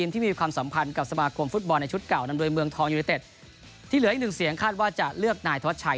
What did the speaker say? ที่เหลืออีกหนึ่งเสียงคาดว่าจะเลือกนายทวชชัย